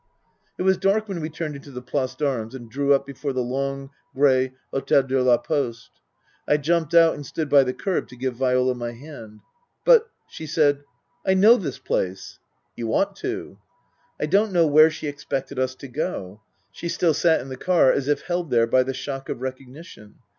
It was dark when we turned into the Place d'Armes and drew up before the long, grey H6tel de la Poste. I jumped out and stood by the kerb to give Viola my hand. " But" she said, " I know this place." " You ought to." I don't know where she expected us to go. She still sat in the car as if held there by the shock of recognition.